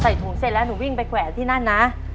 ถุงเสร็จแล้วหนูวิ่งไปแขวนที่นั่นนะ